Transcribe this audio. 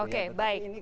oke baik baik